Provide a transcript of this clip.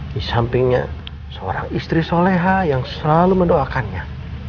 di sampingnya seorang istri soleha yang selalu mendoakannya